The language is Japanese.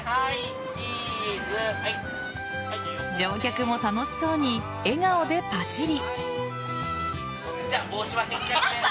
乗客も楽しそうに笑顔でパチリ。